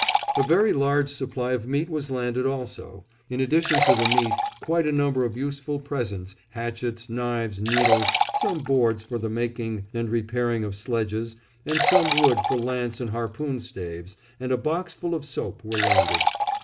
A very large supply of meat was landed also; in addition to the meat quite a number of useful presents, hatchets, knives, needles, some boards for the making and repairing of sledges, and some wood for lance and harpoon staves, and a box full of soap were landed.